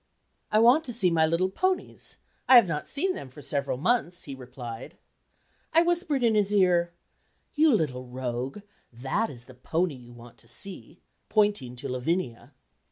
"I want to see my little ponies; I have not seen them for several months," he replied. I whispered in his ear, "you little rogue, that is the pony you want to see," pointing to Lavinia.